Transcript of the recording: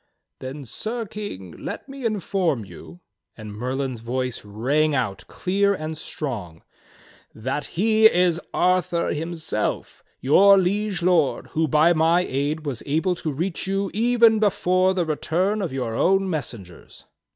"Then, Sir King, let me inform you," and Merlin's voice rang out clear and strong, "that he is Arthur himself, your Liege Lord, who by my aid was able to reach you even before the return of your own messengers."